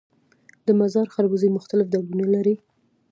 د مزار خربوزې مختلف ډولونه لري